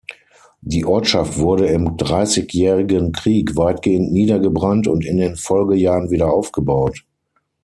Die Ortschaft wurde im Dreißigjährigen Krieg weitgehend niedergebrannt und in den Folgejahren wieder aufgebaut.